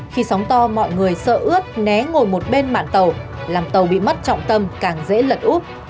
khi sóng to mọi người sợ ướt né ngồi một bên mạng tàu làm tàu bị mất trọng tâm càng dễ lật úp